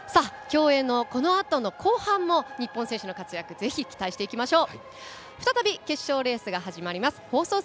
競泳のこのあとの後半も日本選手の活躍ぜひ期待していきましょう。